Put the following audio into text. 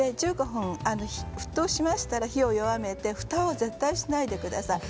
１５分、沸騰しましたら火を弱めてふたは絶対しないてください。